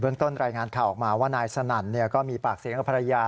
ต้นรายงานข่าวออกมาว่านายสนั่นก็มีปากเสียงกับภรรยา